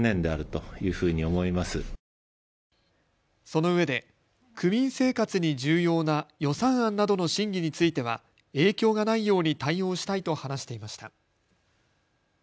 そのうえで区民生活に重要な予算案などの審議については影響がないように対応したいと話していました。